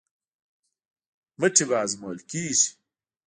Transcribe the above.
مټې به ازمویل کېږي.